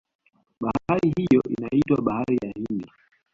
bahari hiyo inaitwa bahari ya hindi